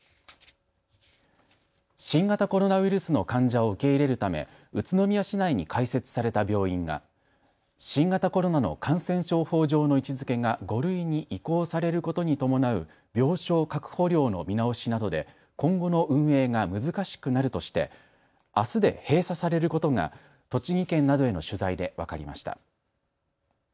新型コロナウイルスの患者を受け入れるため宇都宮市内に開設された病院が新型コロナの感染症法上の位置づけが５類に移行されることに伴う病床確保料の見直しなどで今後の運営が難しくなるとしてあすで閉鎖されることが栃木県などへの取材で分かりました。